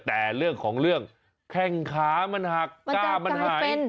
แต่เรื่องของเรื่องแข้งขามันหักก้ามันหาย